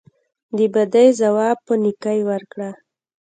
د بدۍ ځواب په نیکۍ ورکړه.